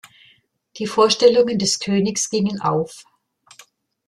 Die Vorstellungen des Königs gingen auf.